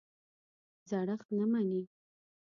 زړښت نه مني.